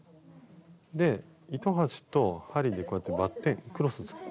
で糸端と針でこうやってバッテンクロス作る。